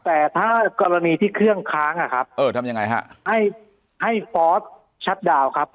แต่ถ้ากรณีที่เครื่องค้างอ่ะครับเออทำยังไงฮะให้ให้ฟอสชัดดาวครับ